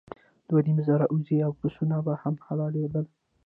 دوه نیم زره اوزې او پسونه به هم حلالېدل.